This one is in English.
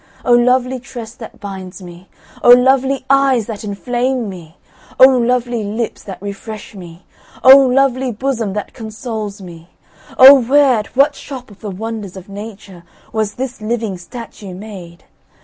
O lovely tress that binds me! O lovely eyes that inflame me! O lovely lips that refresh me! O lovely bosom that consoles me! Oh where, at what shop of the wonders of Nature, was this living statue made?